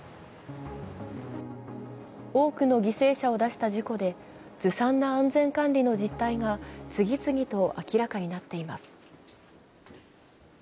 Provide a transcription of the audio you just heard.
多くの犠牲者を出した事故でずさんな安全管理の実態が次々と明らかになっています。